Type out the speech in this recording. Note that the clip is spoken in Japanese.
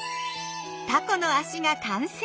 タコの足が完成！